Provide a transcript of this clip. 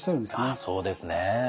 ああそうですね。